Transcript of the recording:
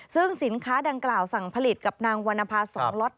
ซึ่งสินค้าดังกล่าวสั่งผลิตกับนางวรรณภา๒ล็อต